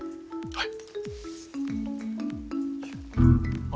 はい。